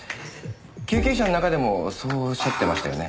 救急車の中でもそうおっしゃってましたよね。